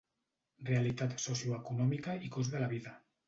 Realitat socioeconòmica i cost de la vida.